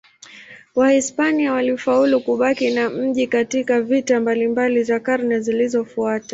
Wahispania walifaulu kubaki na mji katika vita mbalimbali za karne zilizofuata.